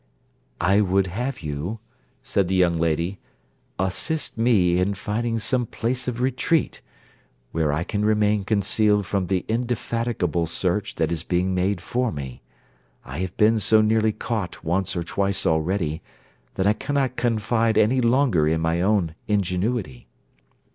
'I would have you,' said the young lady, 'assist me in finding some place of retreat, where I can remain concealed from the indefatigable search that is being made for me. I have been so nearly caught once or twice already, that I cannot confide any longer in my own ingenuity.'